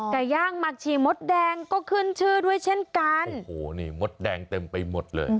ไก่ย่างหมักฉี่มดแดงก็ขึ้นชื่อด้วยเช่นกันโอ้โหนี่มดแดงเต็มไปหมดเลย